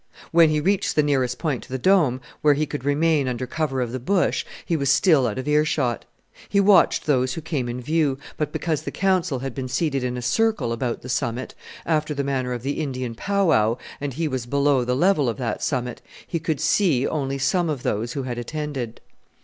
When he reached the nearest point to the Dome, where he could remain under cover of the bush, he was still out of earshot. He watched those who came in view, but because the council had been seated in a circle about the summit, after the manner of the Indian pow wow, and he was below the level of that summit, he could see only some of those who had attended.